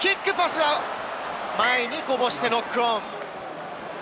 前にこぼしてノックオン。